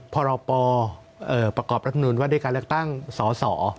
พรปประกอบรัฐมนุนว่าด้วยการเลือกตั้งสส